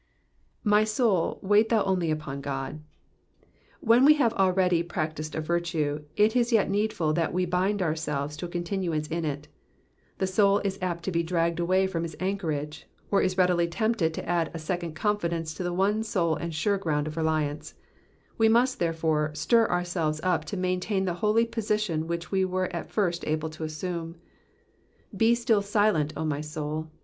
jry soul, wait thou only upon Qody When we have already practised a virtue, it is yet needful that we bind ourselves to a continuance in it. The soul is apt to be dragged away from its anchorage, or is readily tempted to add a second confidence to the one sole and sure ground of reliance ; we must, there fore, stir ourselves up to maintain the holy position which we were at first able to assume. Be still silent, O my soul